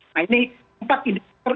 nah ini empat indikator